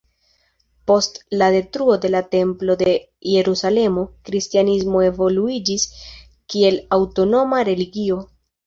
Post la detruo de la Templo de Jerusalemo, kristanismo evoluiĝis kiel aŭtonoma religio.